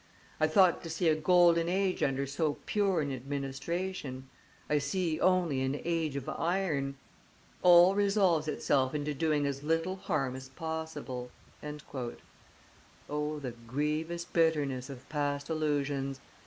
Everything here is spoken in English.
I thought to see a golden age under so pure an administration; I see only an age of iron. All resolves itself into doing as little harm as possible." 0 the grievous bitterness of past illusions!